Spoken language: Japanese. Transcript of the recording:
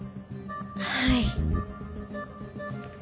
はい。